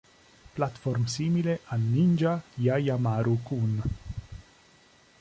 Platform simile a "Ninja JaJaMaru-kun".